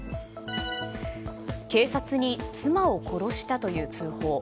警察に妻を殺したという通報。